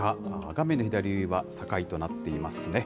画面の左上が坂井となっていますね。